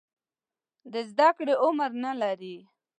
د زده کړې عمر نه لري.